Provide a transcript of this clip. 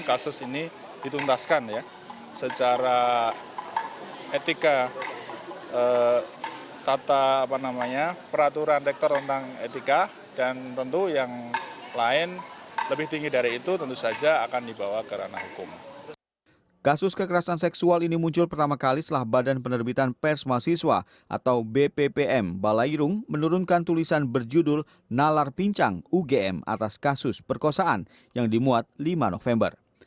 kasus kekerasan seksual ini muncul pertama kali setelah badan penerbitan pers masiswa atau bppm balairung menurunkan tulisan berjudul nalar pincang ugm atas kasus perkosaan yang dimuat lima november